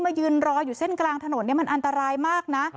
ยืนรออยู่เส้นกลางถนนมันอันตรายมากนะ